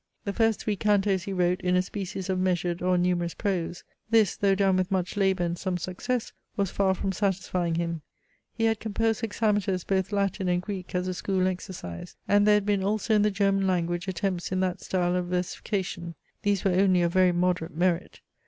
The first three cantos he wrote in a species of measured or numerous prose. This, though done with much labour and some success, was far from satisfying him. He had composed hexameters both Latin and Greek as a school exercise, and there had been also in the German language attempts in that style of versification. These were only of very moderate merit.